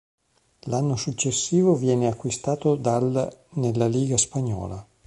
L'anno successivo viene acquistato dal nella Liga spagnola.